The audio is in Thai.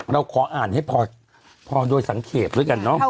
เราขออ่านให้พอโดยสังเกตด้วยกันเนอะ